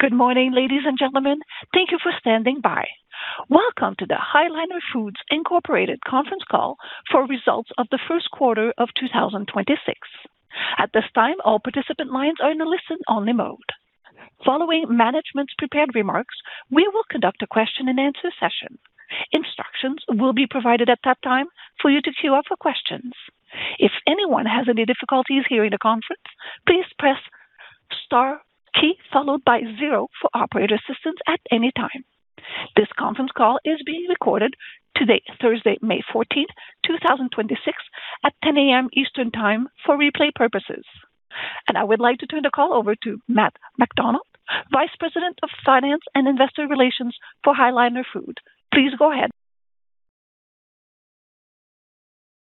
Good morning, ladies and gentlemen. Thank you for standing by. Welcome to the High Liner Foods Incorporated conference call for results of the first quarter of 2026. At this time, all participant lines are in a listen-only mode. Following management's prepared remarks, we will conduct a question-and-answer session. Instructions will be provided at that time for you to queue up for questions. If anyone has any difficulties hearing the conference, please press star key followed by zero for operator assistance at any time. This conference call is being recorded today, Thursday, May 14th, 2026, at 10:00 A.M. Eastern Time for replay purposes. I would like to turn the call over to Matt MacDonald, Vice President of Finance and Investor Relations for High Liner Foods. Please go ahead.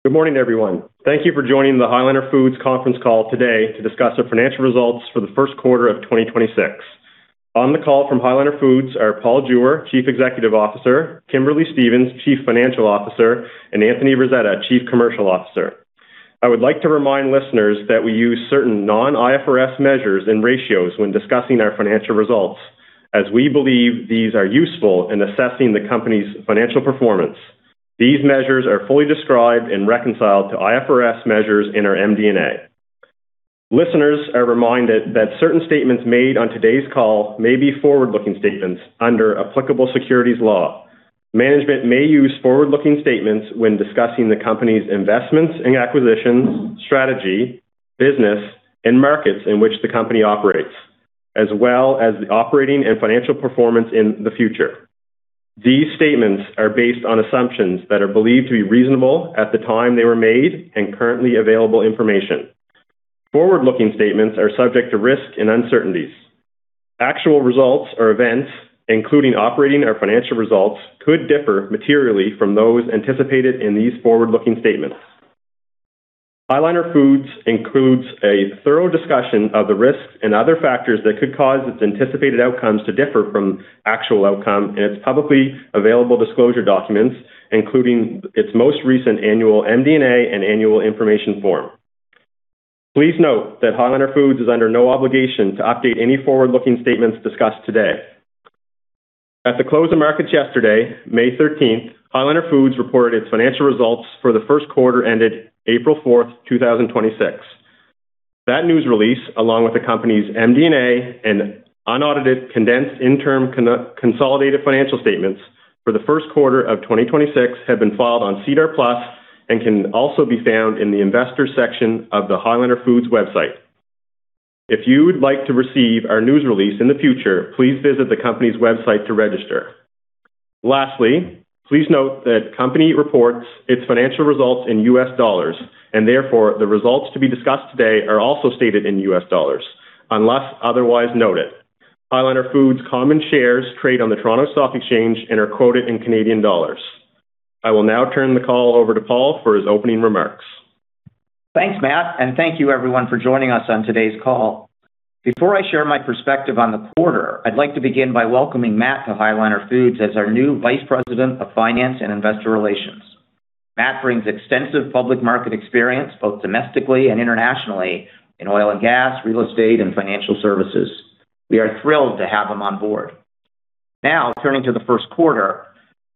Good morning, everyone. Thank you for joining the High Liner Foods conference call today to discuss our financial results for the first quarter of 2026. On the call from High Liner Foods are Paul Jewer, Chief Executive Officer, Kimberly Stephens, Chief Financial Officer, and Anthony Rasetta, Chief Commercial Officer. I would like to remind listeners that we use certain non-IFRS measures and ratios when discussing our financial results as we believe these are useful in assessing the company's financial performance. These measures are fully described and reconciled to IFRS measures in our MD&A. Listeners are reminded that certain statements made on today's call may be forward-looking statements under applicable securities law. Management may use forward-looking statements when discussing the company's investments and acquisitions, strategy, business, and markets in which the company operates, as well as the operating and financial performance in the future. These statements are based on assumptions that are believed to be reasonable at the time they were made and currently available information. Forward-looking statements are subject to risks and uncertainties. Actual results or events, including operating or financial results, could differ materially from those anticipated in these forward-looking statements. High Liner Foods includes a thorough discussion of the risks and other factors that could cause its anticipated outcomes to differ from actual outcome in its publicly available disclosure documents, including its most recent annual MD&A and annual information form. Please note that High Liner Foods is under no obligation to update any forward-looking statements discussed today. At the close of markets yesterday, May 13th, High Liner Foods reported its financial results for the first quarter ended April 4th, 2026. That news release, along with the company's MD&A and unaudited condensed interim consolidated financial statements for the first quarter of 2026, have been filed on SEDAR+ and can also be found in the investors section of the High Liner Foods website. If you would like to receive our news release in the future, please visit the company's website to register. Lastly, please note that company reports its financial results in U.S. dollars, and therefore, the results to be discussed today are also stated in U.S. dollars, unless otherwise noted. High Liner Foods common shares trade on the Toronto Stock Exchange and are quoted in Canadian dollars. I will now turn the call over to Paul for his opening remarks. Thanks, Matt. Thank you everyone for joining us on today's call. Before I share my perspective on the quarter, I'd like to begin by welcoming Matt to High Liner Foods as our new Vice President of Finance and Investor Relations. Matt brings extensive public market experience, both domestically and internationally, in oil and gas, real estate, and financial services. We are thrilled to have him on board. Turning to the first quarter.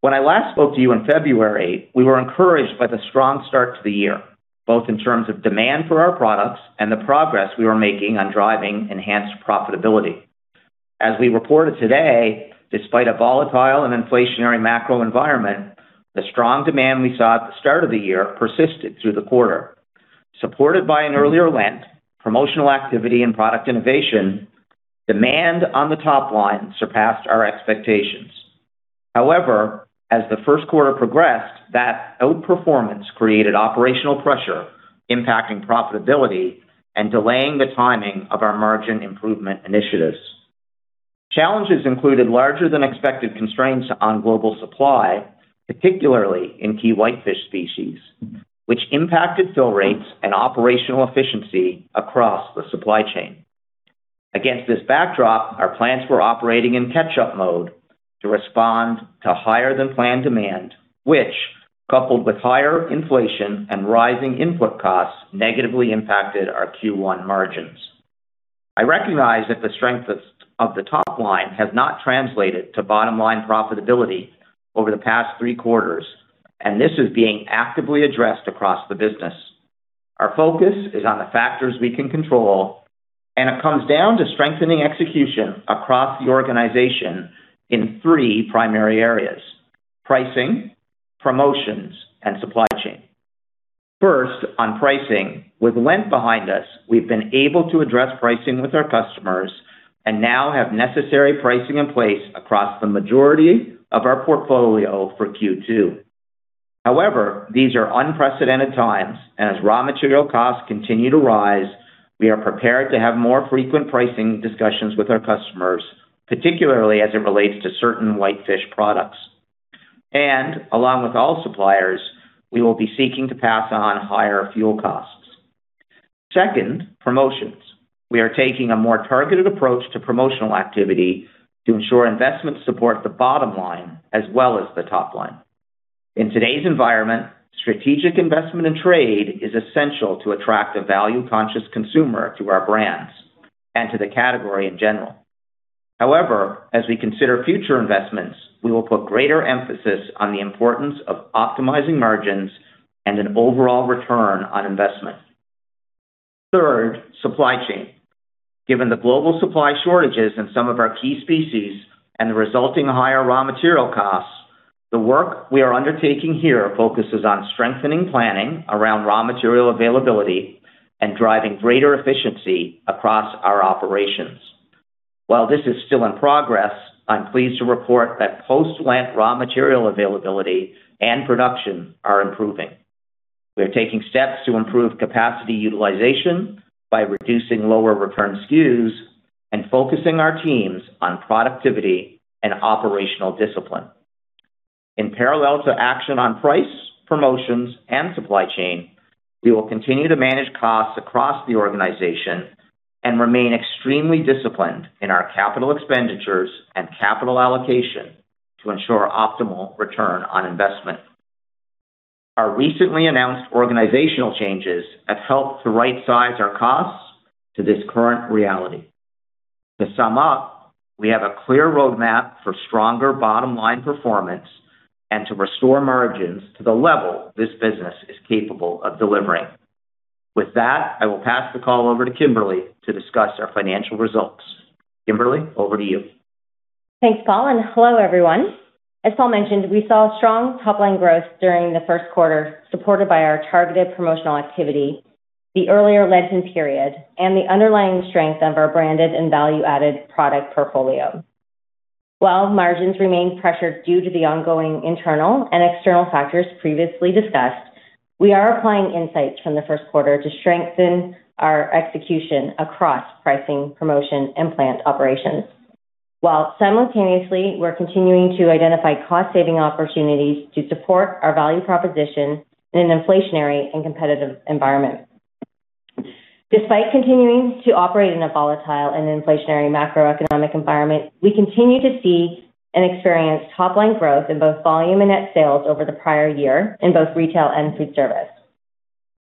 When I last spoke to you in February, we were encouraged by the strong start to the year, both in terms of demand for our products and the progress we were making on driving enhanced profitability. As we reported today, despite a volatile and inflationary macro environment, the strong demand we saw at the start of the year persisted through the quarter. Supported by an earlier Lent promotional activity and product innovation, demand on the top line surpassed our expectations. However, as the first quarter progressed, that outperformance created operational pressure, impacting profitability and delaying the timing of our margin improvement initiatives. Challenges included larger than expected constraints on global supply, particularly in key whitefish species, which impacted fill rates and operational efficiency across the supply chain. Against this backdrop, our plants were operating in catch-up mode to respond to higher than planned demand, which coupled with higher inflation and rising input costs, negatively impacted our Q1 margins. I recognize that the strength of the top line has not translated to bottom-line profitability over the past three quarters, this is being actively addressed across the business. Our focus is on the factors we can control, and it comes down to strengthening execution across the organization in three primary areas: pricing, promotions, and supply chain. First, on pricing. With Lent behind us, we've been able to address pricing with our customers and now have necessary pricing in place across the majority of our portfolio for Q2. However, these are unprecedented times, and as raw material costs continue to rise, we are prepared to have more frequent pricing discussions with our customers, particularly as it relates to certain whitefish products. Along with all suppliers, we will be seeking to pass on higher fuel costs. Second, promotions. We are taking a more targeted approach to promotional activity to ensure investments support the bottom line as well as the top line. In today's environment, strategic investment in trade is essential to attract a value-conscious consumer to our brands and to the category in general. However, as we consider future investments, we will put greater emphasis on the importance of optimizing margins and an overall return on investment. Third, supply chain. Given the global supply shortages in some of our key species and the resulting higher raw material costs, the work we are undertaking here focuses on strengthening planning around raw material availability and driving greater efficiency across our operations. While this is still in progress, I'm pleased to report that post-Lent raw material availability and production are improving. We are taking steps to improve capacity utilization by reducing lower return SKUs and focusing our teams on productivity and operational discipline. In parallel to action on price, promotions, and supply chain, we will continue to manage costs across the organization and remain extremely disciplined in our capital expenditures and capital allocation to ensure optimal return on investment. Our recently announced organizational changes have helped to right-size our costs to this current reality. To sum up, we have a clear roadmap for stronger bottom-line performance and to restore margins to the level this business is capable of delivering. With that, I will pass the call over to Kimberly to discuss our financial results. Kimberly, over to you. Thanks, Paul, and hello, everyone. As Paul mentioned, we saw strong top-line growth during the first quarter, supported by our targeted promotional activity, the earlier Lenten period, and the underlying strength of our branded and value-added product portfolio. While margins remain pressured due to the ongoing internal and external factors previously discussed, we are applying insights from the first quarter to strengthen our execution across pricing, promotion, and plant operations. Simultaneously, we're continuing to identify cost-saving opportunities to support our value proposition in an inflationary and competitive environment. Despite continuing to operate in a volatile and inflationary macroeconomic environment, we continue to see and experience top-line growth in both volume and net sales over the prior year in both retail and foodservice.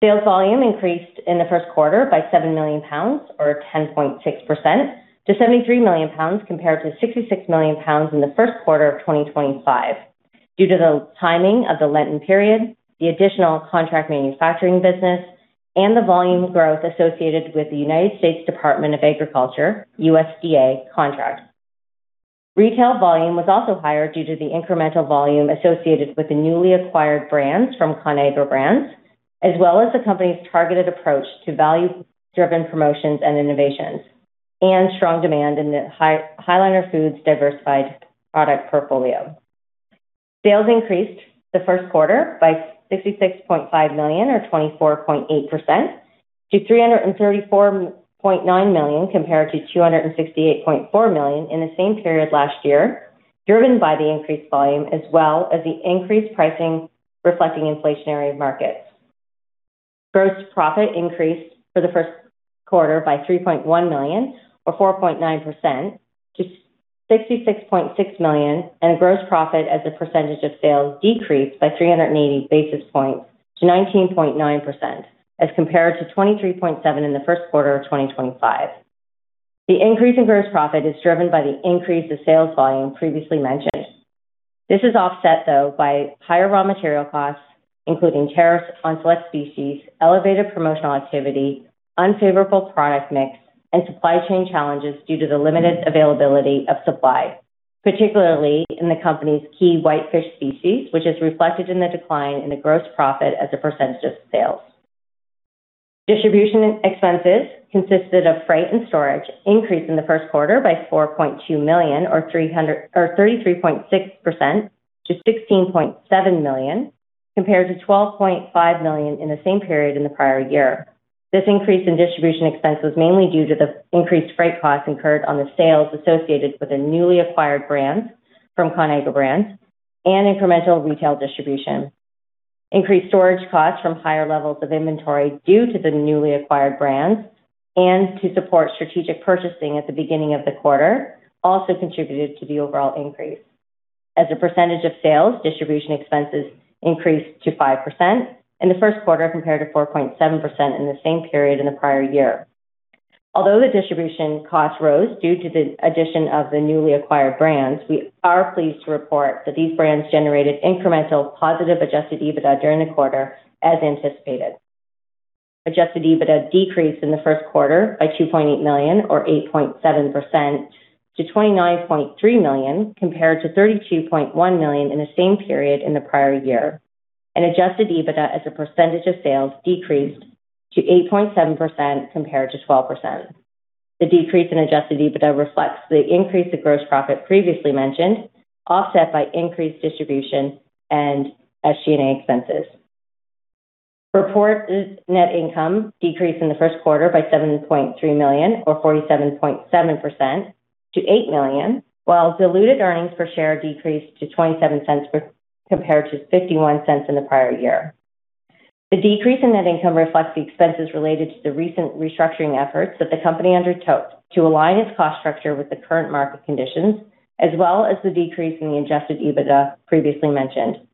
Sales volume increased in the first quarter by 7 million lbs or 10.6% to 73 million lbs compared to 66 million lbs in the first quarter of 2025 due to the timing of the Lenten period, the additional contract manufacturing business, and the volume growth associated with the United States Department of Agriculture, USDA contract. Retail volume was also higher due to the incremental volume associated with the newly acquired brands from Conagra Brands, as well as the company's targeted approach to value-driven promotions and innovations and strong demand in the High Liner Foods diversified product portfolio. Sales increased the first quarter by $66.5 million or 24.8% to $334.9 million compared to $268.4 million in the same period last year, driven by the increased volume as well as the increased pricing reflecting inflationary markets. Gross profit increased for the first quarter by $3.1 million or 4.9% to $66.6 million, and gross profit as a percentage of sales decreased by 380 basis points to 19.9% as compared to 23.7% in the first quarter of 2025. The increase in gross profit is driven by the increase of sales volume previously mentioned. This is offset, though, by higher raw material costs, including tariffs on select species, elevated promotional activity, unfavorable product mix, and supply chain challenges due to the limited availability of supply, particularly in the company's key whitefish species, which is reflected in the decline in the gross profit as a percentage of sales. Distribution expenses consisted of freight and storage increased in the first quarter by $4.2 million or 33.6% to $16.7 million, compared to $12.5 million in the same period in the prior year. This increase in distribution expense was mainly due to the increased freight costs incurred on the sales associated with the newly acquired brands from Conagra Brands and incremental retail distribution. Increased storage costs from higher levels of inventory due to the newly acquired brand and to support strategic purchasing at the beginning of the quarter also contributed to the overall increase. As a percentage of sales, distribution expenses increased to 5% in the first quarter compared to 4.7% in the same period in the prior year. Although the distribution costs rose due to the addition of the newly acquired brands, we are pleased to report that these brands generated incremental positive adjusted EBITDA during the quarter as anticipated. Adjusted EBITDA decreased in the first quarter by $2.8 million or 8.7% to $29.3 million compared to $32.1 million in the same period in the prior year, and adjusted EBITDA as a percentage of sales decreased to 8.7% compared to 12%. The decrease in adjusted EBITDA reflects the increase of gross profit previously mentioned, offset by increased distribution and SG&A expenses. Reported net income decreased in the first quarter by $7.3 million or 47.7% to $8 million, while diluted earnings per share decreased to $0.27 compared to $0.51 in the prior year. The decrease in net income reflects the expenses related to the recent restructuring efforts that the company undertook to align its cost structure with the current market conditions, as well as the decrease in the adjusted EBITDA previously mentioned.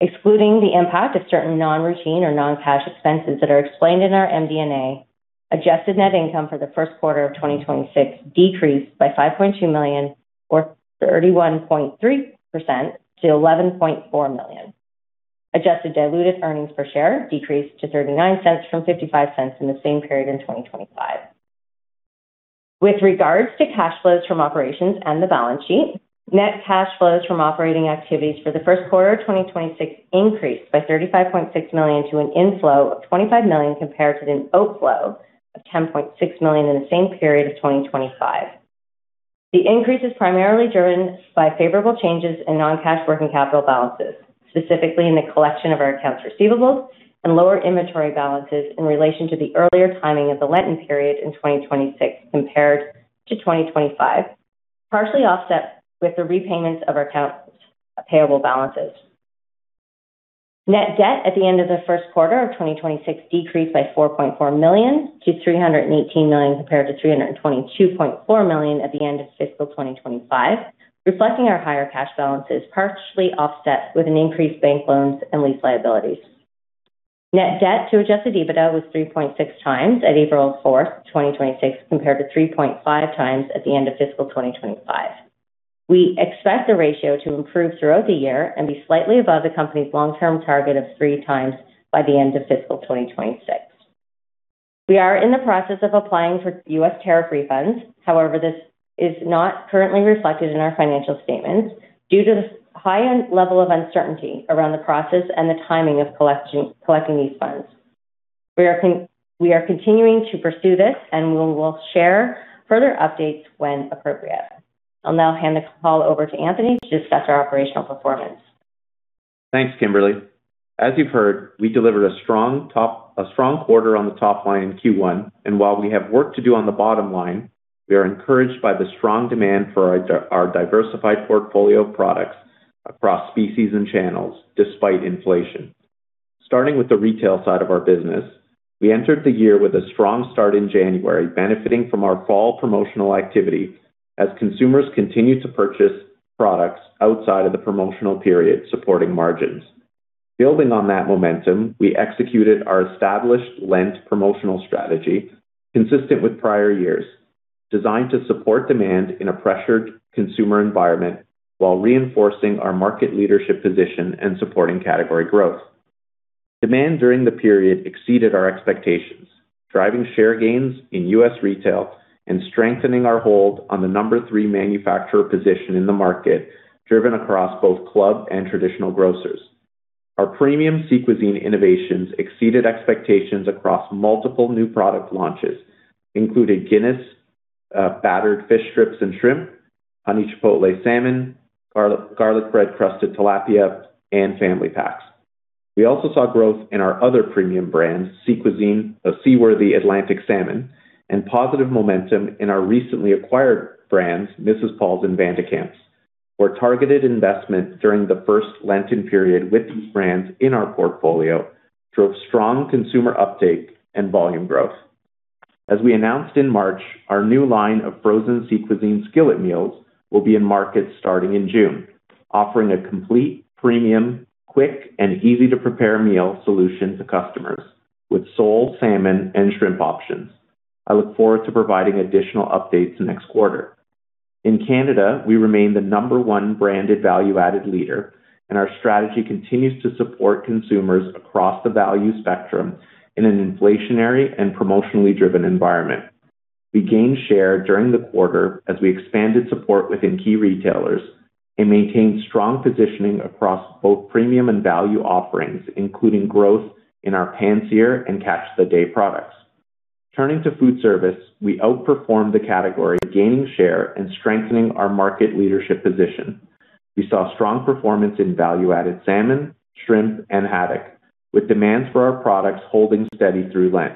Excluding the impact of certain non-routine or non-cash expenses that are explained in our MD&A, adjusted net income for the first quarter of 2026 decreased by $5.2 million or 31.3% to $11.4 million. Adjusted diluted earnings per share decreased to $0.39 from $0.55 in the same period in 2025. With regards to cash flows from operations and the balance sheet, net cash flows from operating activities for the first quarter of 2026 increased by $35.6 million to an inflow of $25 million compared to an outflow of $10.6 million in the same period of 2025. The increase is primarily driven by favorable changes in non-cash working capital balances, specifically in the collection of our accounts receivables and lower inventory balances in relation to the earlier timing of the Lenten period in 2026 compared to 2025, partially offset with the repayments of our accounts payable balances. Net debt at the end of the first quarter of 2026 decreased by $4.4 million to $318 million compared to $322.4 million at the end of fiscal 2025, reflecting our higher cash balances partially offset with an increased bank loans and lease liabilities. Net debt to adjusted EBITDA was 3.6x at April 4th, 2026 compared to 3.5x at the end of fiscal 2025. We expect the ratio to improve throughout the year and be slightly above the company's long-term target of 3x by the end of fiscal 2026. We are in the process of applying for U.S. tariff refunds. However, this is not currently reflected in our financial statements due to the high level of uncertainty around the process and the timing of collecting these funds. We are continuing to pursue this, and we will share further updates when appropriate. I'll now hand the call over to Anthony to discuss our operational performance. Thanks, Kimberly. As you've heard, we delivered a strong quarter on the top line in Q1, while we have work to do on the bottom line, we are encouraged by the strong demand for our diversified portfolio of products across species and channels despite inflation. Starting with the retail side of our business, we entered the year with a strong start in January, benefiting from our fall promotional activity as consumers continued to purchase products outside of the promotional period, supporting margins. Building on that momentum, we executed our established Lent promotional strategy consistent with prior years, designed to support demand in a pressured consumer environment while reinforcing our market leadership position and supporting category growth. Demand during the period exceeded our expectations, driving share gains in U.S. retail and strengthening our hold on the number three manufacturer position in the market, driven across both club and traditional grocers. Our premium Sea Cuisine innovations exceeded expectations across multiple new product launches, including Guinness Battered Fish Strips and Shrimp, Honey Chipotle Salmon, Garlic Bread Crusted Tilapia, and Family Packs. We also saw growth in our other premium brands, Sea Cuisine, C. Wirthy Atlantic Salmon, and positive momentum in our recently acquired brands, Mrs. Paul's and Van de Kamp's, where targeted investment during the first Lenten period with these brands in our portfolio drove strong consumer uptake and volume growth. As we announced in March, our new line of frozen Sea Cuisine skillet meals will be in market starting in June, offering a complete premium, quick, and easy to prepare meal solution to customers with sole salmon and shrimp options. I look forward to providing additional updates next quarter. In Canada, we remain the number one branded value-added leader, and our strategy continues to support consumers across the value spectrum in an inflationary and promotionally driven environment. We gained share during the quarter as we expanded support within key retailers and maintained strong positioning across both premium and value offerings, including growth in our Pan-Sear and Catch of the Day products. Turning to food service, we outperformed the category, gaining share and strengthening our market leadership position. We saw strong performance in value-added salmon, shrimp, and haddock, with demands for our products holding steady through Lent.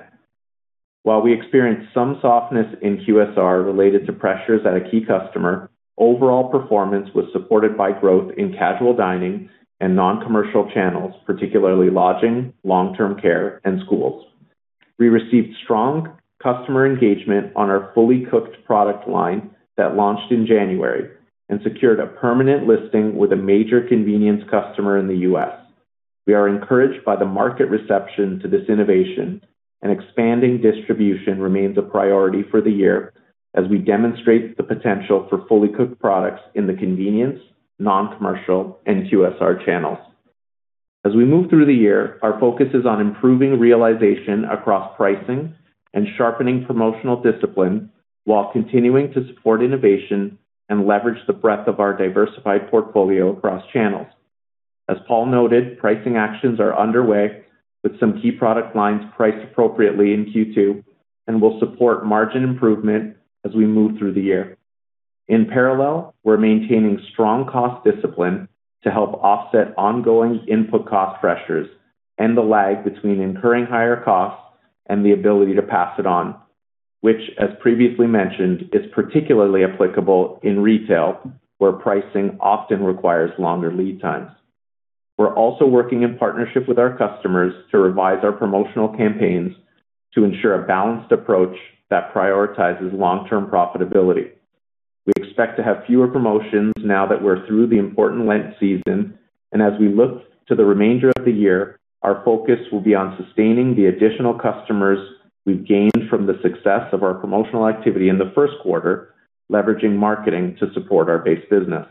While we experienced some softness in QSR related to pressures at a key customer, overall performance was supported by growth in casual dining and non-commercial channels, particularly lodging, long-term care, and schools. We received strong customer engagement on our fully cooked product line that launched in January and secured a permanent listing with a major convenience customer in the U.S. We are encouraged by the market reception to this innovation. Expanding distribution remains a priority for the year as we demonstrate the potential for fully cooked products in the convenience, non-commercial, and QSR channels. As we move through the year, our focus is on improving realization across pricing and sharpening promotional discipline while continuing to support innovation and leverage the breadth of our diversified portfolio across channels. As Paul noted, pricing actions are underway with some key product lines priced appropriately in Q2 and will support margin improvement as we move through the year. In parallel, we're maintaining strong cost discipline to help offset ongoing input cost pressures and the lag between incurring higher costs and the ability to pass it on, which, as previously mentioned, is particularly applicable in retail, where pricing often requires longer lead times. We're also working in partnership with our customers to revise our promotional campaigns to ensure a balanced approach that prioritizes long-term profitability. We expect to have fewer promotions now that we're through the important Lent season and as we look to the remainder of the year, our focus will be on sustaining the additional customers we've gained from the success of our promotional activity in the first quarter, leveraging marketing to support our base business.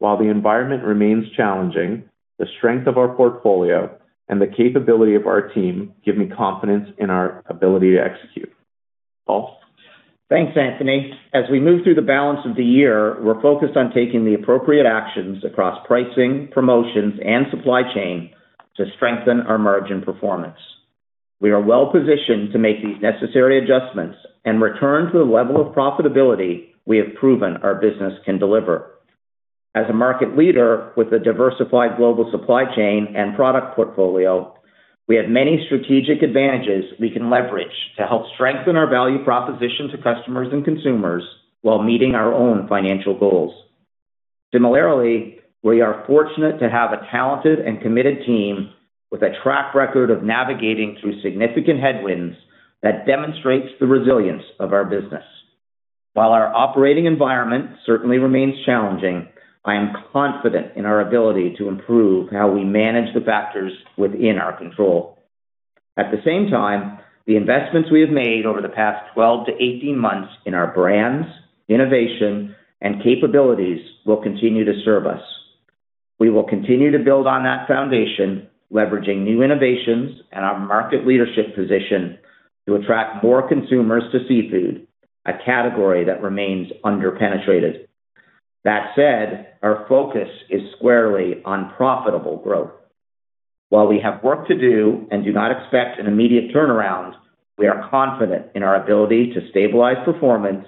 While the environment remains challenging, the strength of our portfolio and the capability of our team give me confidence in our ability to execute. Paul? Thanks, Anthony. As we move through the balance of the year, we're focused on taking the appropriate actions across pricing, promotions, and supply chain to strengthen our margin performance. We are well-positioned to make these necessary adjustments and return to the level of profitability we have proven our business can deliver. As a market leader with a diversified global supply chain and product portfolio, we have many strategic advantages we can leverage to help strengthen our value proposition to customers and consumers while meeting our own financial goals. Similarly, we are fortunate to have a talented and committed team with a track record of navigating through significant headwinds that demonstrates the resilience of our business. While our operating environment certainly remains challenging, I am confident in our ability to improve how we manage the factors within our control. At the same time, the investments we have made over the past 12-18 months in our brands, innovation, and capabilities will continue to serve us. We will continue to build on that foundation, leveraging new innovations and our market leadership position to attract more consumers to seafood, a category that remains under-penetrated. That said, our focus is squarely on profitable growth. While we have work to do and do not expect an immediate turnaround, we are confident in our ability to stabilize performance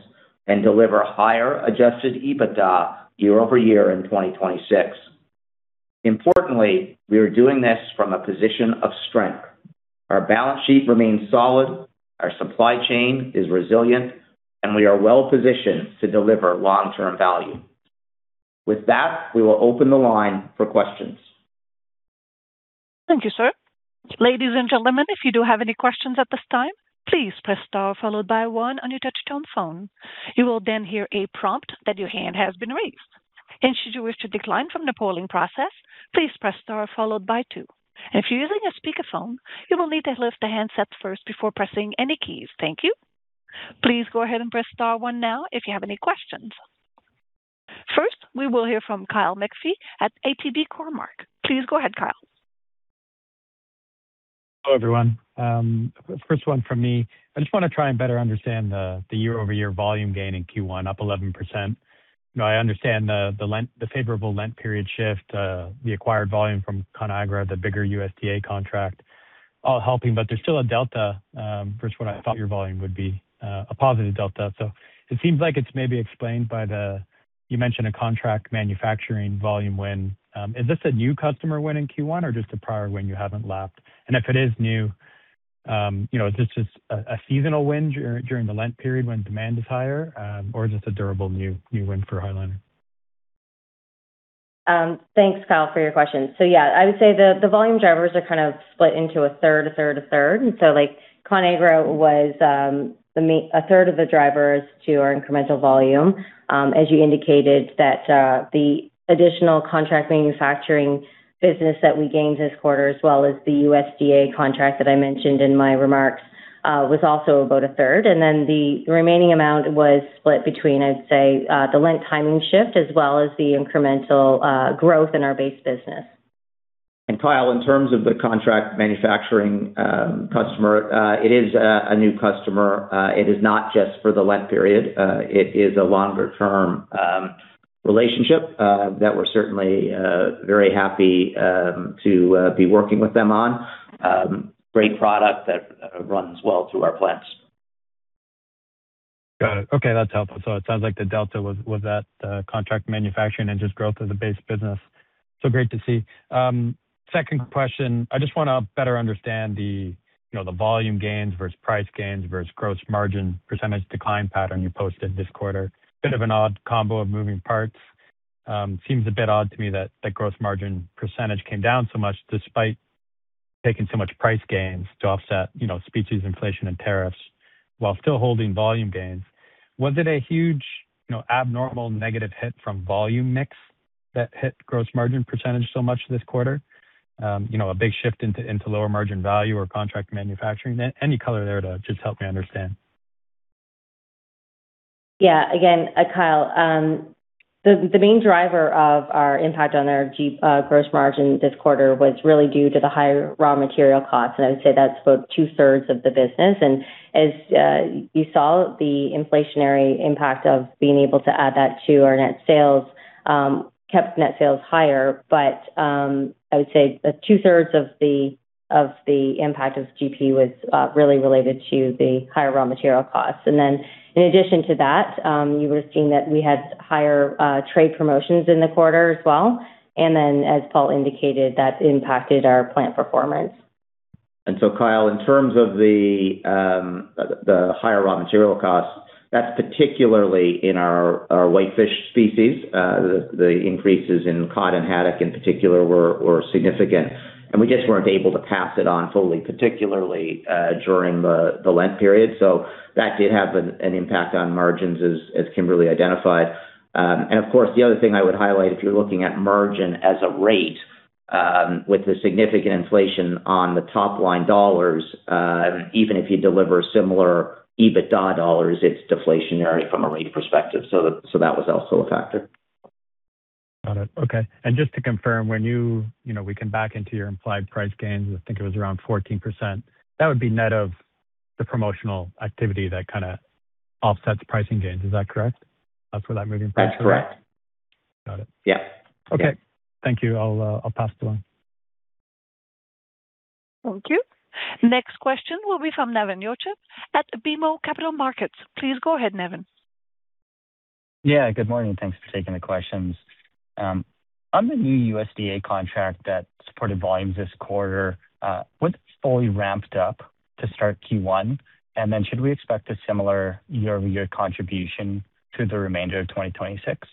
and deliver higher adjusted EBITDA year-over-year in 2026. Importantly, we are doing this from a position of strength. Our balance sheet remains solid, our supply chain is resilient, and we are well-positioned to deliver long-term value. With that, we will open the line for questions. Thank you, sir. Ladies and gentlemen, if you do have any questions at this time, please press star followed by one on your touch tone phone. You will then hear a prompt that your hand has been raised. Should you wish to decline from the polling process, please press star followed by two. If you're using a speakerphone, you will need to lift the handset first before pressing any keys. Thank you. Please go ahead and press star one now if you have any questions. First, we will hear from Kyle McPhee at ATB Cormark. Please go ahead, Kyle. Hello, everyone. First one from me. I just want to try and better understand the year-over-year volume gain in Q1 up 11%. Now I understand the Lent, the favorable Lent period shift, the acquired volume from Conagra Brands, the bigger USDA contract all helping, but there's still a delta versus what I thought your volume would be, a positive delta. It seems like it's maybe explained by the you mentioned a contract manufacturing volume win. Is this a new customer win in Q1 or just a prior win you haven't lapped? If it is new, you know, is this just a seasonal win during the Lent period when demand is higher, or is this a durable new win for High Liner Foods? Thanks, Kyle, for your question. I would say the volume drivers are split into a third, a third, a third. Conagra was a third of the drivers to our incremental volume. As you indicated, the additional contract manufacturing business that we gained this quarter, as well as the USDA contract that I mentioned in my remarks, was also about a third. The remaining amount was split between the Lent timing shift as well as the incremental growth in our base business. Kyle, in terms of the contract manufacturing, customer, it is a new customer. It is not just for the Lent period. It is a longer-term relationship that we're certainly very happy to be working with them on. Great product that runs well through our plants. Got it. Okay, that's helpful. It sounds like the delta was that contract manufacturing and just growth of the base business. Great to see. Second question. I just wanna better understand the, you know, the volume gains versus price gains versus gross margin percentage decline pattern you posted this quarter. Bit of an odd combo of moving parts. Seems a bit odd to me that the gross margin percentage came down so much despite taking so much price gains to offset, you know, species inflation and tariffs while still holding volume gains. Was it a huge, you know, abnormal negative hit from volume mix that hit gross margin percentage so much this quarter? You know, a big shift into lower margin value or contract manufacturing. Any color there to just help me understand. Yeah. Again, Kyle, the main driver of our impact on our gross margin this quarter was really due to the higher raw material costs. I would say that's about 2/3 of the business. As you saw, the inflationary impact of being able to add that to our net sales kept net sales higher. I would say that 2/3 of the impact of GP was really related to the higher raw material costs. In addition to that, you were seeing that we had higher trade promotions in the quarter as well. As Paul indicated, that impacted our plant performance. Kyle, in terms of the higher raw material costs, that's particularly in our whitefish species. The increases in cod and haddock in particular were significant, and we just weren't able to pass it on fully, particularly during the Lent period. That did have an impact on margins as Kimberly identified. And of course, the other thing I would highlight if you're looking at margin as a rate, with the significant inflation on the top line dollars, even if you deliver similar EBITDA dollars, it's deflationary from a rate perspective. That was also a factor. Got it. Okay. Just to confirm, when you know, we can back into your implied price gains. I think it was around 14%. That would be net of the promotional activity that kind of offsets pricing gains. Is that correct? For that moving picture? That's correct. Got it. Yeah. Okay. Thank you. I'll pass it along. Thank you. Next question will be from Nevan Yochim at BMO Capital Markets. Please go ahead, Nevan. Yeah, good morning. Thanks for taking the questions. On the new USDA contract that supported volumes this quarter, was it fully ramped up to start Q1? Should we expect a similar year-over-year contribution through the remainder of 2026?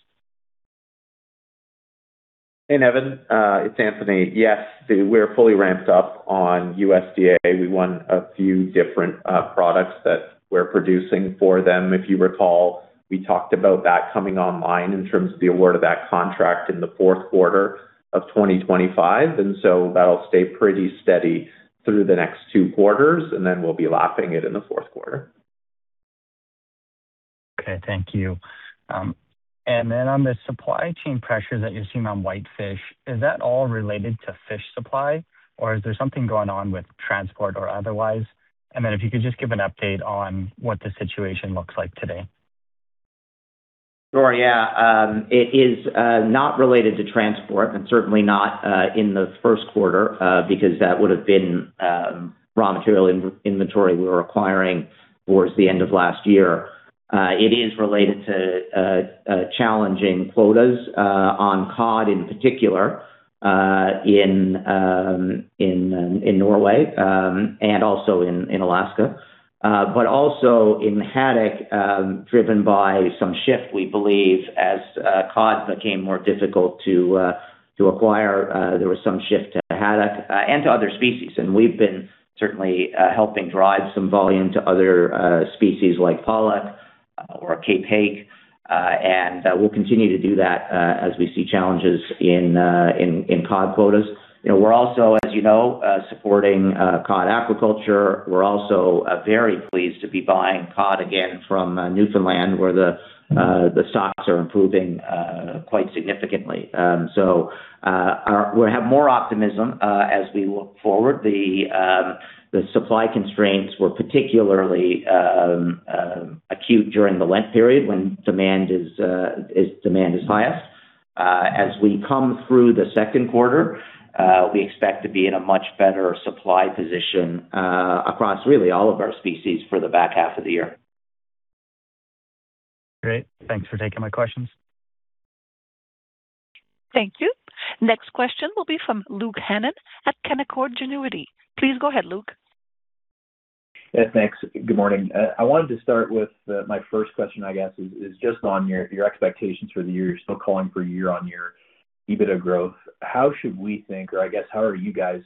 Hey, Nevan, it's Anthony. Yes, we're fully ramped up on USDA. We won a few different products that we're producing for them. If you recall, we talked about that coming online in terms of the award of that contract in the fourth quarter of 2025. That'll stay pretty steady through the next two quarters, and then we'll be lapping it in the fourth quarter. Okay. Thank you. On the supply chain pressure that you're seeing on whitefish, is that all related to fish supply, or is there something going on with transport or otherwise? If you could just give an update on what the situation looks like today. Sure, yeah. It is not related to transport and certainly not in the first quarter, because that would have been raw material inventory we were acquiring towards the end of last year. It is related to challenging quotas on cod in particular, in Norway, and also in Alaska. Also in haddock, driven by some shift, we believe, as cod became more difficult to acquire, there was some shift to haddock and to other species. We've been certainly helping drive some volume to other species like pollock or Cape hake. We'll continue to do that as we see challenges in cod quotas. You know, we're also, as you know, supporting cod aquaculture. We're also very pleased to be buying cod again from Newfoundland, where the stocks are improving quite significantly. We have more optimism as we look forward. The supply constraints were particularly acute during the Lent period when demand is highest. As we come through the second quarter, we expect to be in a much better supply position across really all of our species for the back half of the year. Great. Thanks for taking my questions. Thank you. Next question will be from Luke Hannan at Canaccord Genuity. Please go ahead, Luke. Yeah, thanks. Good morning. I wanted to start with my first question, I guess is just on your expectations for the year. You're still calling for year-on-year EBITDA growth. How should we think or I guess how are you guys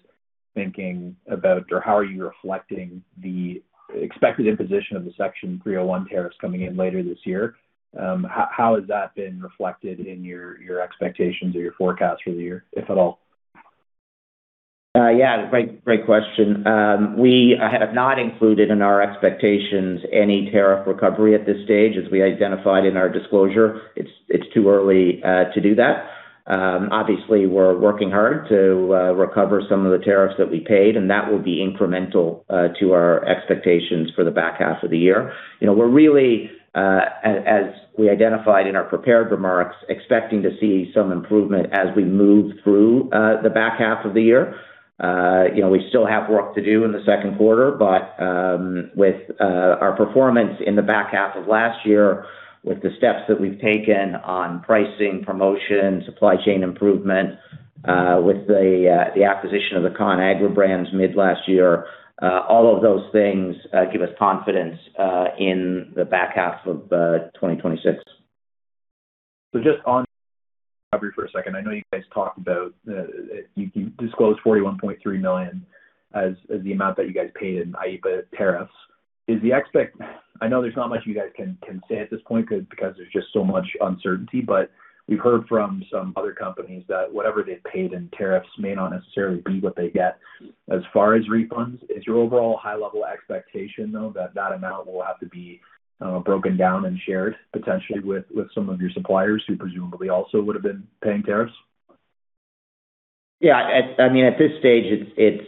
thinking about or how are you reflecting the expected imposition of the Section 301 tariffs coming in later this year? How has that been reflected in your expectations or your forecast for the year, if at all? Yeah, great question. We have not included in our expectations any tariff recovery at this stage. As we identified in our disclosure, it's too early to do that. Obviously we're working hard to recover some of the tariffs that we paid, and that will be incremental to our expectations for the back half of the year. You know, we're really as we identified in our prepared remarks, expecting to see some improvement as we move through the back half of the year. You know, we still have work to do in the second quarter, but with our performance in the back half of last year with the steps that we've taken on pricing, promotion, supply chain improvement, with the acquisition of the Conagra Brands mid last year, all of those things give us confidence in the back half of 2026. Just on recovery for a second. I know you guys talked about, you disclosed $41.3 million as the amount that you guys paid in IEEPA tariffs. I know there's not much you guys can say at this point because there's just so much uncertainty, but we've heard from some other companies that whatever they paid in tariffs may not necessarily be what they get as far as refunds. Is your overall high-level expectation, though, that that amount will have to be broken down and shared potentially with some of your suppliers who presumably also would have been paying tariffs? Yeah. At this stage, it's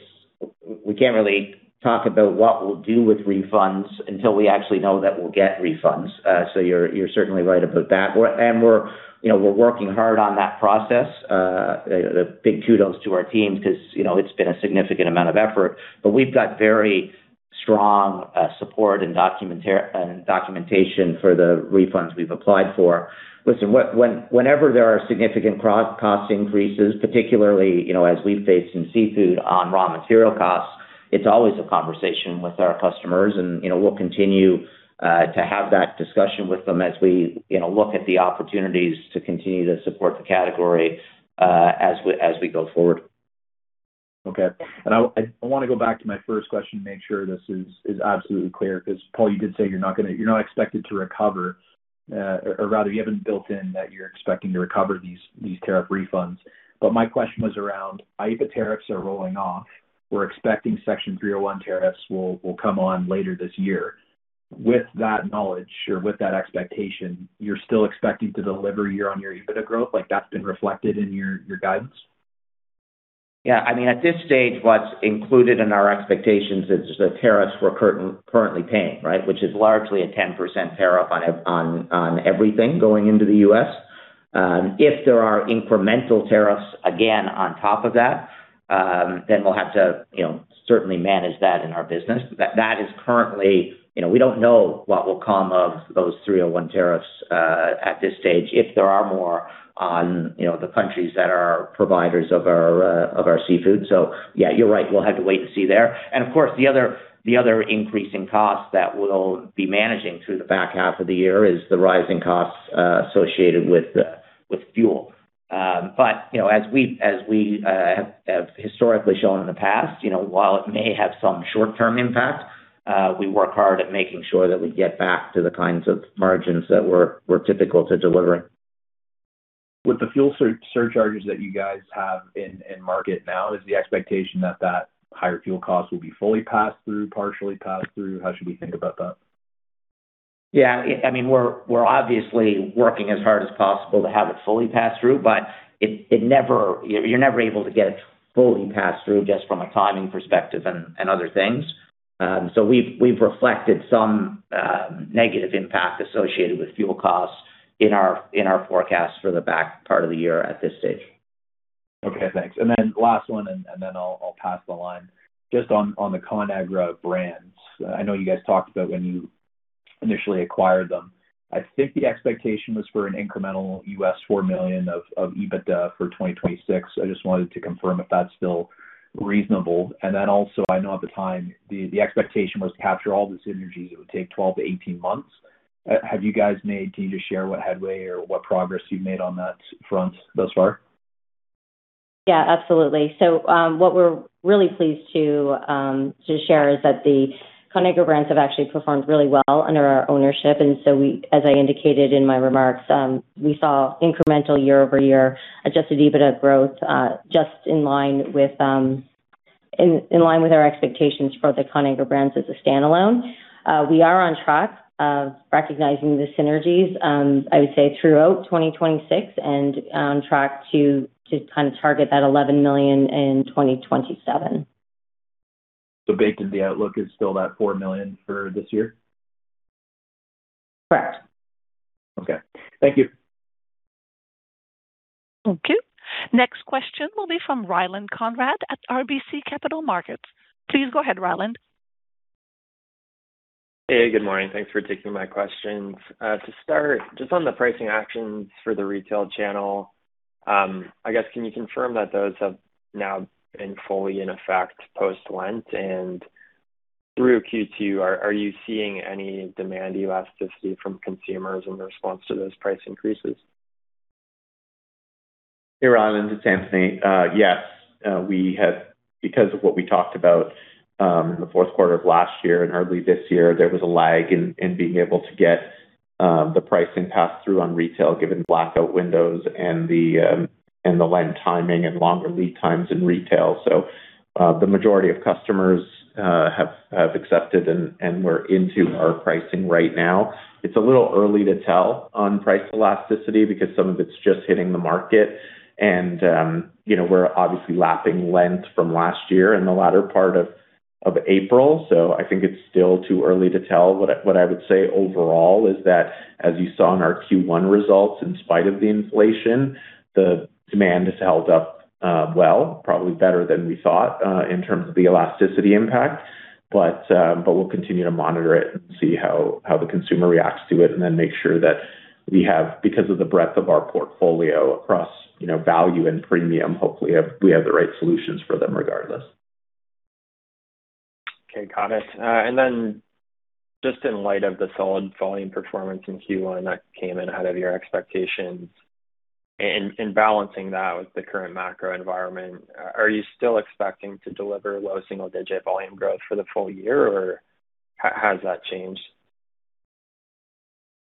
we can't really talk about what we'll do with refunds until we actually know that we'll get refunds. You're, you're certainly right about that. We're, you know, we're working hard on that process. Big kudos to our teams 'cause, you know, it's been a significant amount of effort, but we've got very strong support and documentation for the refunds we've applied for. Listen, whenever there are significant costs increases, particularly, you know, as we face in seafood on raw material costs, it's always a conversation with our customers, you know, we'll continue to have that discussion with them as we, you know, look at the opportunities to continue to support the category as we, as we go forward. Okay. I wanna go back to my first question to make sure this is absolutely clear because, Paul, you did say you're not expected to recover, or rather you haven't built in that you're expecting to recover these tariff refunds. My question was around, if the tariffs are rolling off, we're expecting Section 301 tariffs will come on later this year. With that knowledge or with that expectation, you're still expecting to deliver year-over-year EBITDA growth like that's been reflected in your guidance? Yeah. I mean, at this stage, what's included in our expectations is the tariffs we're currently paying, right. Which is largely a 10% tariff on everything going into the U.S. If there are incremental tariffs, again, on top of that, then we'll have to, you know, certainly manage that in our business. That is currently You know, we don't know what will come of those 301 tariffs at this stage, if there are more on, you know, the countries that are providers of our seafood. Yeah, you're right, we'll have to wait to see there. Of course, the other increasing cost that we'll be managing through the back half of the year is the rising costs associated with fuel. You know, as we have historically shown in the past, you know, while it may have some short-term impact, we work hard at making sure that we get back to the kinds of margins that we're typical to delivering. With the fuel surcharges that you guys have in market now, is the expectation that higher fuel cost will be fully passed through, partially passed through? How should we think about that? Yeah. I mean, we're obviously working as hard as possible to have it fully passed through, but You're never able to get it fully passed through just from a timing perspective and other things. We've reflected some negative impact associated with fuel costs in our forecast for the back part of the year at this stage. Okay, thanks. Last one, then I'll pass the line. Just on the Conagra Brands. I know you guys talked about when you initially acquired them. I think the expectation was for an incremental $4 million of EBITDA for 2026. I just wanted to confirm if that's still reasonable. Then also, I know at the time the expectation was to capture all the synergies, it would take 12-18 months. Can you just share what headway or what progress you've made on that front thus far? Yeah, absolutely. What we're really pleased to share is that the Conagra Brands have actually performed really well under our ownership. We, as I indicated in my remarks, we saw incremental year-over-year adjusted EBITDA growth just in line with our expectations for the Conagra Brands as a standalone. We are on track of recognizing the synergies, I would say, throughout 2026 and on track to kind of target that $11 million in 2027. Baked into the outlook is still that $4 million for this year? Correct. Okay. Thank you. Thank you. Next question will be from Ryland Conrad at RBC Capital Markets. Please go ahead, Ryland. Hey, good morning. Thanks for taking my questions. To start, just on the pricing actions for the retail channel, I guess, can you confirm that those have now been fully in effect post-Lent? Through Q2, are you seeing any demand elasticity from consumers in response to those price increases? Hey, Ryland, it's Anthony. Yes, because of what we talked about, in the fourth quarter of last year and early this year, there was a lag in being able to get the pricing passed through on retail, given blackout windows and the Lent timing and longer lead times in retail. The majority of customers have accepted and we're into our pricing right now. It's a little early to tell on price elasticity because some of it's just hitting the market and, you know, we're obviously lapping Lent from last year in the latter part of April. I think it's still too early to tell. What I would say overall is that, as you saw in our Q1 results, in spite of the inflation, the demand has held up well, probably better than we thought in terms of the elasticity impact. We'll continue to monitor it and see how the consumer reacts to it, and then make sure that we have, because of the breadth of our portfolio across, you know, value and premium, hopefully we have the right solutions for them regardless. Okay, got it. Just in light of the solid volume performance in Q1 that came in ahead of your expectations and, balancing that with the current macro environment, are you still expecting to deliver low single-digit volume growth for the full year, or has that changed?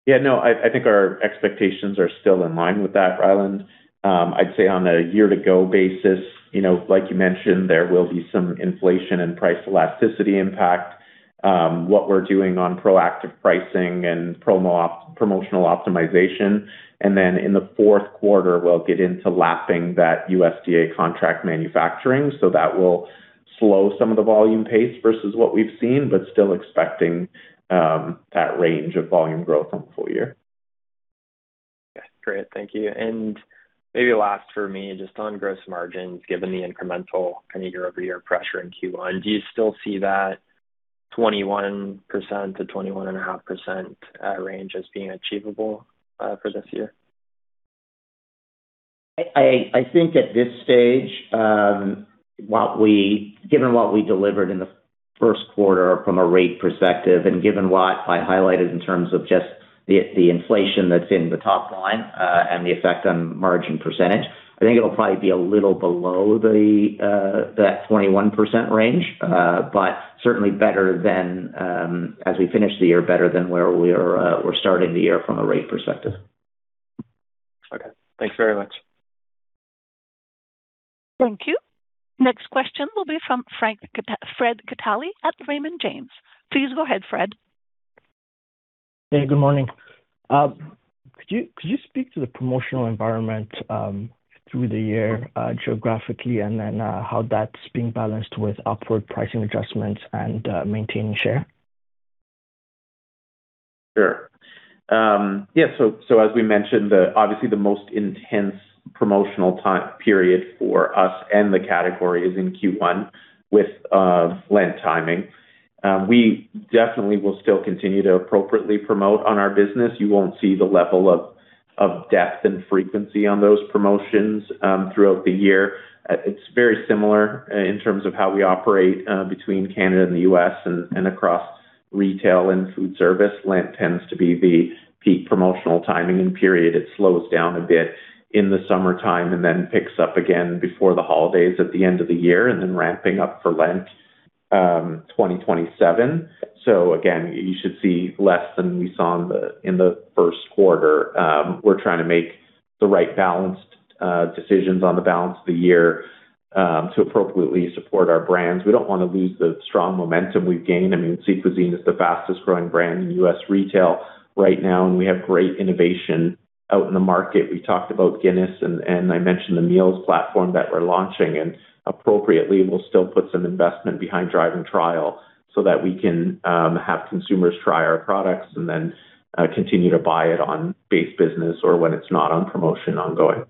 I think our expectations are still in line with that, Ryland. I'd say on a year-to-go basis, you know, like you mentioned, there will be some inflation and price elasticity impact. What we're doing on proactive pricing and promotional optimization. In the fourth quarter, we'll get into lapping that USDA contract manufacturing, so that will slow some of the volume pace versus what we've seen, but still expecting that range of volume growth on full year. Great. Thank you. Maybe last for me, just on gross margins, given the incremental kind of year-over-year pressure in Q1, do you still see that 21%-21.5% range as being achievable for this year? I think at this stage, given what we delivered in the first quarter from a rate perspective and given what I highlighted in terms of just the inflation that's in the top line and the effect on margin percentage, I think it'll probably be a little below the 21% range, but certainly better than as we finish the year, better than where we are, we're starting the year from a rate perspective. Okay. Thanks very much. Thank you. Next question will be from Fred Gatali at Raymond James. Please go ahead, Fred. Hey, good morning. Could you speak to the promotional environment, through the year, geographically, and then, how that's being balanced with upward pricing adjustments and, maintaining share? Sure. As we mentioned, the obviously the most intense promotional time period for us and the category is in Q1 with Lent timing. We definitely will still continue to appropriately promote on our business. You won't see the level of depth and frequency on those promotions throughout the year. It's very similar in terms of how we operate between Canada and the U.S. and across retail and food service. Lent tends to be the peak promotional timing and period. It slows down a bit in the summertime and picks up again before the holidays at the end of the year and ramping up for Lent 2027. Again, you should see less than we saw in the first quarter. We're trying to make the right balanced decisions on the balance of the year to appropriately support our brands. We don't wanna lose the strong momentum we've gained. I mean, Sea Cuisine is the fastest growing brand in U.S. retail right now. We have great innovation out in the market. We talked about Guinness and I mentioned the meals platform that we're launching. Appropriately, we'll still put some investment behind driving trial so that we can have consumers try our products and then continue to buy it on base business or when it's not on promotion ongoing.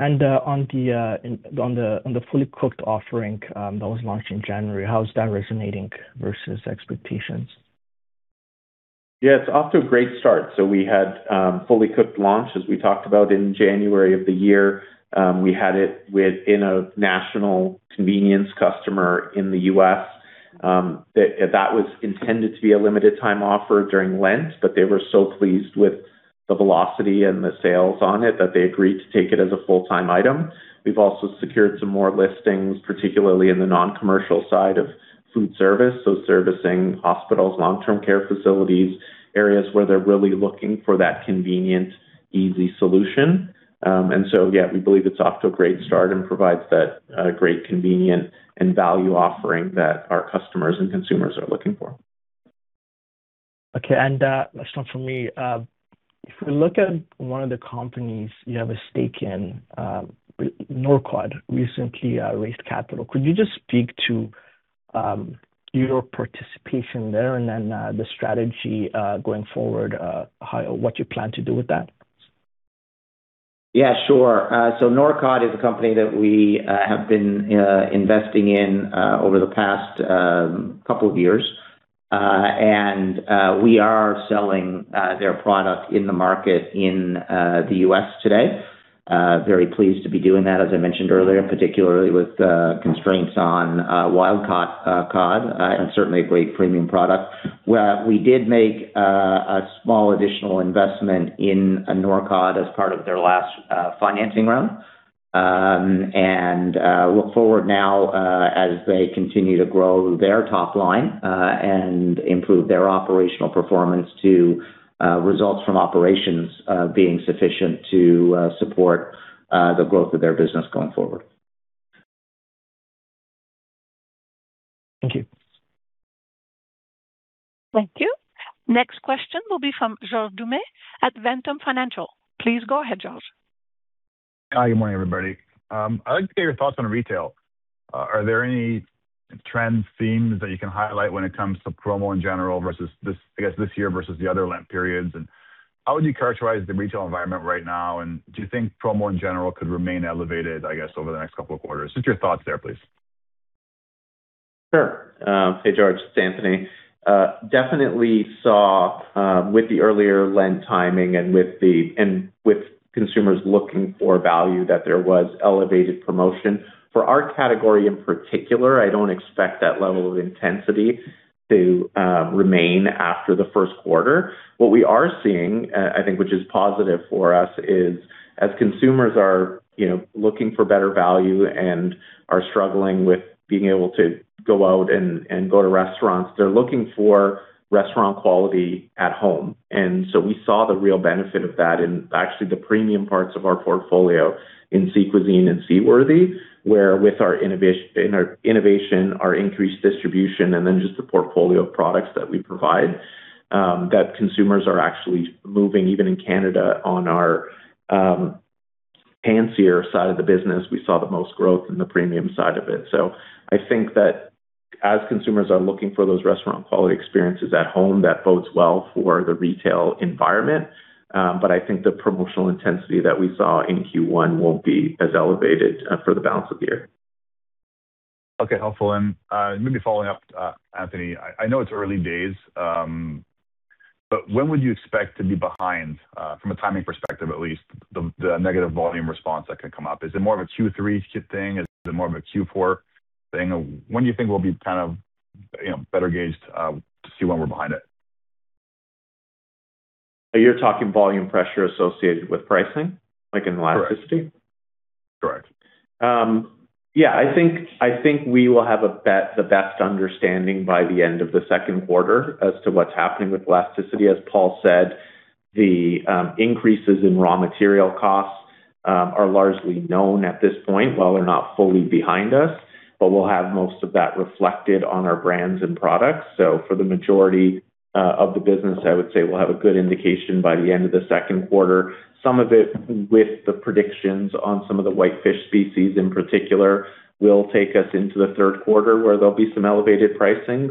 On the fully cooked offering, that was launched in January, how is that resonating versus expectations? It's off to a great start. We had fully cooked launch, as we talked about in January of the year. We had it with in a national convenience customer in the U.S., that was intended to be a limited time offer during Lent, but they were so pleased with the velocity and the sales on it that they agreed to take it as a full-time item. We've also secured some more listings, particularly in the non-commercial side of food service, so servicing hospitals, long-term care facilities, areas where they're really looking for that convenient, easy solution. We believe it's off to a great start and provides that great convenient and value offering that our customers and consumers are looking for. Okay. And, last one for me. If we look at one of the companies you have a stake in, Norcod recently raised capital. Could you just speak to your participation there and then the strategy going forward, what you plan to do with that? Yeah, sure. Norcod is a company that we have been investing in over the past couple of years. We are selling their product in the market in the U.S. today. Very pleased to be doing that, as I mentioned earlier, particularly with constraints on wild cod, and certainly a great premium product. We did make a small additional investment in Norcod as part of their last financing round. Look forward now, as they continue to grow their top line and improve their operational performance to results from operations being sufficient to support the growth of their business going forward. Thank you. Thank you. Next question will be from George Doumet at Ventum Financial. Please go ahead, George. Hi. Good morning, everybody. I'd like to get your thoughts on retail. Are there any trends, themes that you can highlight when it comes to promo in general versus this year versus the other Lent periods? How would you characterize the retail environment right now? Do you think promo in general could remain elevated over the next two quarters? Just your thoughts there, please. Sure. Hey, George, it's Anthony. Definitely saw, with the earlier Lent timing and with consumers looking for value, that there was elevated promotion. For our category in particular, I don't expect that level of intensity to remain after the first quarter. What we are seeing, I think, which is positive for us, is as consumers are, you know, looking for better value and are struggling with being able to go out and go to restaurants, they're looking for restaurant quality at home. We saw the real benefit of that in actually the premium parts of our portfolio in Sea Cuisine and C. Wirthy, where with our innovation, our increased distribution, and just the portfolio of products that we provide, that consumers are actually moving even in Canada on our fancier side of the business, we saw the most growth in the premium side of it. I think that as consumers are looking for those restaurant quality experiences at home, that bodes well for the retail environment. I think the promotional intensity that we saw in Q1 won't be as elevated for the balance of the year. Okay. Helpful. Maybe following up, Anthony, I know it's early days, but when would you expect to be behind from a timing perspective at least, the negative volume response that could come up? Is it more of a Q3 thing? Is it more of a Q4 thing? When do you think we'll be kind of, you know, better gauged to see when we're behind it? Are you talking volume pressure associated with pricing? Like in elasticity? Correct. Yeah, I think we will have the best understanding by the end of the second quarter as to what's happening with elasticity. As Paul said, the increases in raw material costs are largely known at this point, while they're not fully behind us, but we'll have most of that reflected on our brands and products. For the majority of the business, I would say we'll have a good indication by the end of the second quarter. Some of it with the predictions on some of the whitefish species in particular, will take us into the third quarter where there'll be some elevated pricing.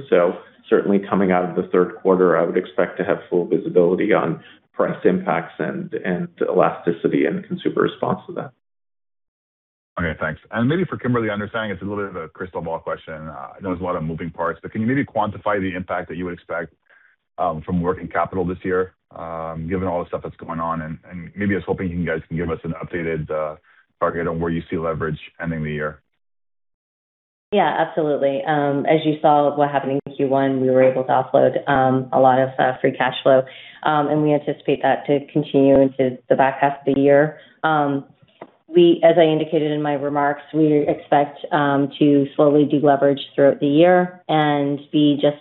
Certainly coming out of the third quarter, I would expect to have full visibility on price impacts and elasticity and consumer response to that. Okay. Thanks. Maybe for Kimberly, understanding it's a little bit of a crystal ball question, I know there's a lot of moving parts, but can you maybe quantify the impact that you expect from working capital this year, given all the stuff that's going on? Maybe I was hoping you guys can give us an updated target on where you see leverage ending the year. Yeah, absolutely. As you saw what happened in Q1, we were able to offload a lot of free cash flow. We anticipate that to continue into the back half of the year. We, as I indicated in my remarks, we expect to slowly deleverage throughout the year and be just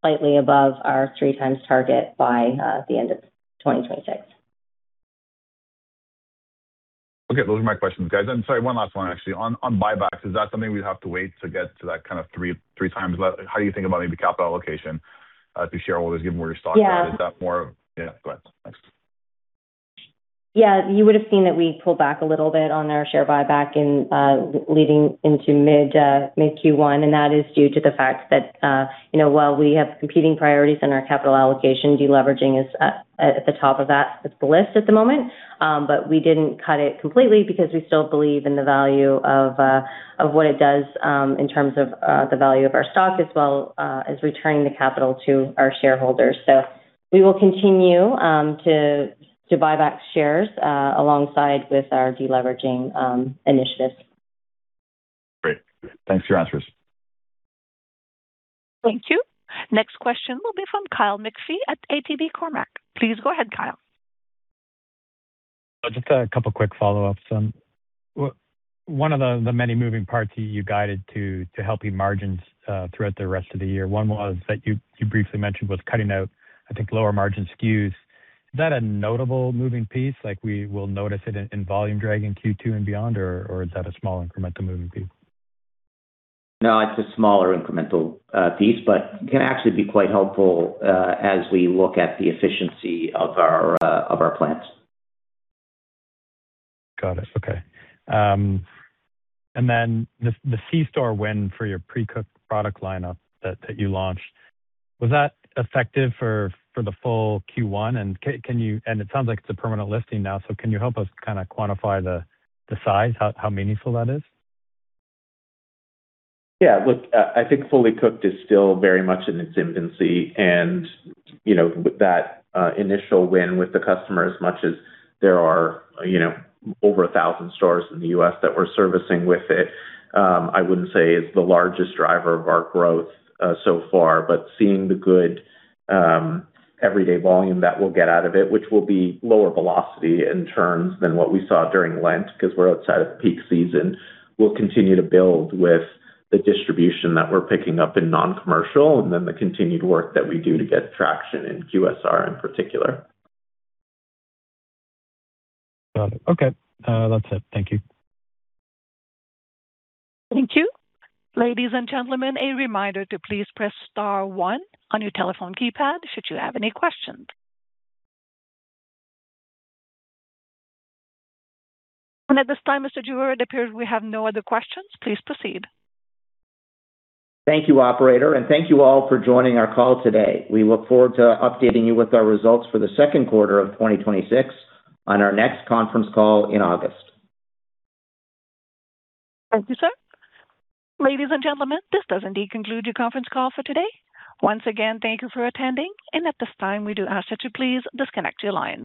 slightly above our 3x target by the end of 2026. Okay. Those are my questions, guys. Sorry, one last one, actually. On buybacks, is that something we'd have to wait to get to that kind of 3x? How do you think about maybe capital allocation to shareholders given where your stock at? Yeah. Is that more of? Yeah, go ahead. Thanks. Yeah. You would've seen that we pulled back a little bit on our share buyback in leading into mid Q1, and that is due to the fact that, you know, while we have competing priorities in our capital allocation, deleveraging is at the top of the list at the moment. We didn't cut it completely because we still believe in the value of what it does in terms of the value of our stock as well as returning the capital to our shareholders. We will continue to buy back shares alongside with our deleveraging initiatives. Great. Thanks for your answers. Thank you. Next question will be from Kyle McPhee at ATB Cormark. Please go ahead, Kyle. Just a couple quick follow-ups. One of the many moving parts you guided to helping margins throughout the rest of the year, one was that you briefly mentioned was cutting out, I think, lower margin SKUs. Is that a notable moving piece, like we will notice it in volume drag in Q2 and beyond, or is that a small incremental moving piece? No, it's a smaller incremental piece, but can actually be quite helpful, as we look at the efficiency of our of our plans. Got it. Okay. The C-Store win for your pre-cooked product lineup that you launched, was that effective for the full Q1? It sounds like it's a permanent listing now, so can you help us kinda quantify the size, how meaningful that is? Yeah. Look, I think fully cooked is still very much in its infancy. You know, with that initial win with the customer, as much as there are, you know, over 1,000 stores in the U.S. that we're servicing with it, I wouldn't say it's the largest driver of our growth so far. Seeing the good everyday volume that we'll get out of it, which will be lower velocity in turns than what we saw during Lent, 'cause we're outside of peak season, we'll continue to build with the distribution that we're picking up in non-commercial, and then the continued work that we do to get traction in QSR in particular. Got it. Okay. That's it. Thank you. Thank you. Ladies and gentlemen, a reminder to please press star one on your telephone keypad should you have any questions. At this time, Mr. Jewer, it appears we have no other questions. Please proceed. Thank you, operator. Thank you all for joining our call today. We look forward to updating you with our results for the second quarter of 2026 on our next conference call in August. Thank you, sir. Ladies and gentlemen, this does indeed conclude your conference call for today. Once again, thank you for attending, and at this time, we do ask that you please disconnect your line.